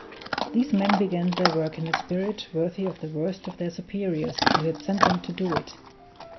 These men began their work in a spirit worthy of the worst of their superiors who had sent them to do it.